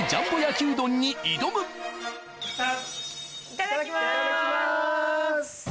いただきます！